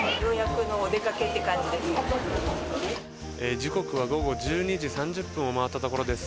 時刻は午後１２時３０分を回ったところです。